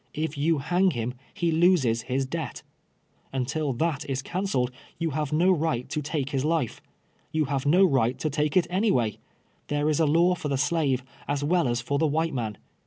If you hang him he loses his debt, lentil that is canceled you have no right to take his life. You have no right to take it any way. There is a law for the slave as well as for the white man.